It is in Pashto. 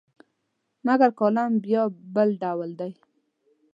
مګر کالم بیا بل ډول دی.